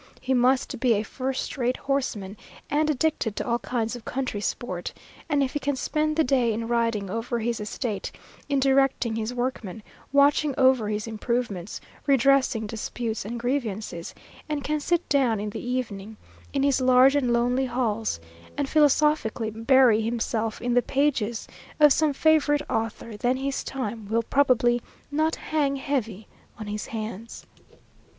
He must be a first rate horseman, and addicted to all kinds of country sport; and if he can spend the day in riding over his estate, in directing his workmen, watching over his improvements, redressing disputes and grievances, and can sit down in the evening in his large and lonely halls, and philosophically bury himself in the pages of some favourite author, then his time will probably not hang heavy on his hands.